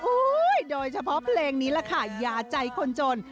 โดยเฉพาะเพลงนี้แหละค่ะอย่าใจคนจน